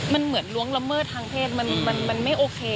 มันเหมือนล่วงละเมิดทางเพศมันไม่โอเค